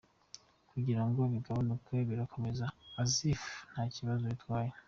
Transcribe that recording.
kugira ngo bigabanuke birakomeza ‘as if’ nta kibazo bitwaye.